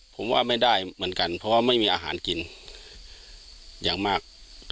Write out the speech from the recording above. ผมว่าไม่ได้เหมือนกันเพราะว่าไม่มีอาหารกินอย่างมาก